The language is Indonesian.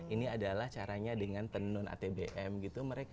ini adalah caranya dengan tenun atbm gitu